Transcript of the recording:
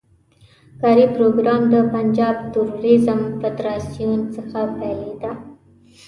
کاري پروګرام د پنجاب توریزم فدراسیون څخه پیلېده.